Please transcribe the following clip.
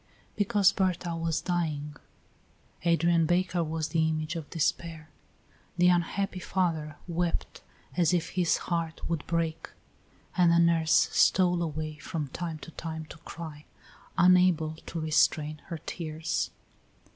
Because Berta was dying. Adrian Baker was the image of despair; the unhappy father wept as if his heart would break, and the nurse stole away from time to time to cry, unable to restrain her tears.